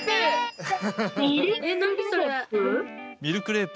ミルクレープ？